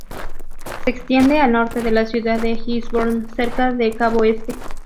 Se extiende al norte de la ciudad de Gisborne, cerca de cabo Este.